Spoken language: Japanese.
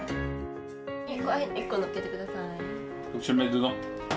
１個のっけて下さい。